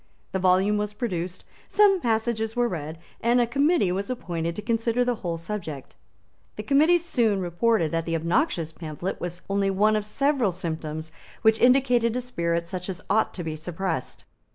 The volume was produced; some passages were read; and a Committee was appointed to consider the whole subject. The Committee soon reported that the obnoxious pamphlet was only one of several symptoms which indicated a spirit such as ought to be suppressed.